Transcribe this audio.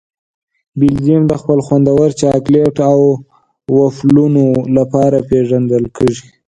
بلجیم د خپل خوندور چاکلېټ او وفلونو لپاره پېژندل کیږي.